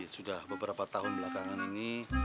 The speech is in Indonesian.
sudah beberapa tahun belakangan ini